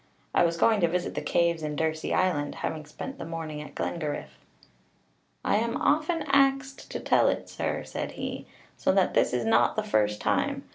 I was going to visit the caves in Dursey Island, having spent the morning at Glengariff. "I am often axed to tell it, sir," said he, "so that this is not the first time.